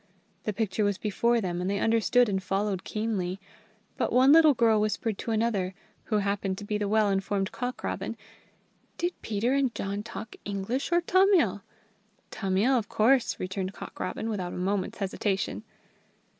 The picture was before them, and they understood and followed keenly; but one little girl whispered to another, who happened to be the well informed Cock robin: "Did Peter and John talk English or Tamil?" "Tamil, of course!" returned Cock robin, without a moment's hesitation.